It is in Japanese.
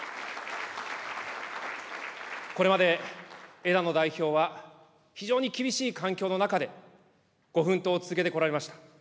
これまで枝野代表は、非常に厳しい環境の中でご奮闘を続けてこられました。